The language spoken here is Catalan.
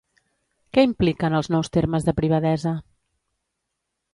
Què impliquen els nous termes de privadesa?